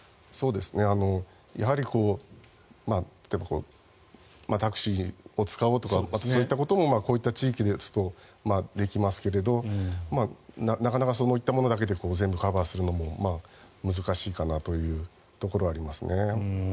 やはりタクシーを使おうとするとかそういったこともこういった地域ですとできますけどなかなかそういったものだけで全部カバーするのも難しいかなというところはあります。